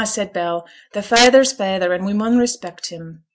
said Bell, 'th' feyther's feyther, and we mun respect him.